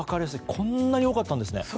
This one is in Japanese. こんなに多かったんですね。